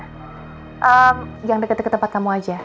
ehm jangan deket deket tempat kamu aja